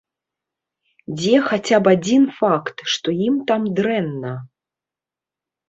Дзе хаця б адзін факт, што ім там дрэнна?